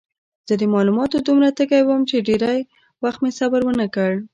زه د معلوماتو دومره تږی وم چې ډېر وخت مې صبر ونه کړ.